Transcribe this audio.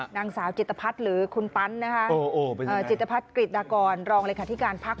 นางสาวจิตภัทรหรือคุณปั๊นนะครับจิตภัทรกฤตากรรองเลยค่ะที่การพัก